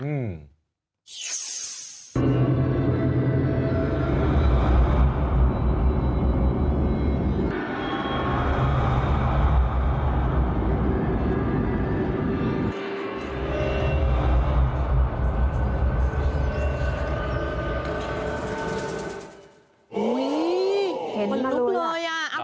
มันลุกเลยครับ